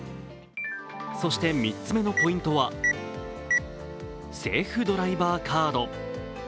そして３つめのポイントはセーフドライバーカード。